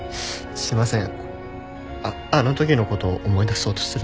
すいません。